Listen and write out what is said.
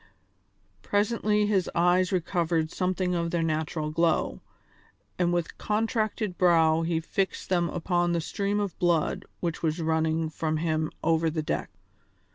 Presently his eyes recovered something of their natural glow, and with contracted brow he fixed them upon the stream of blood which was running from him over the deck.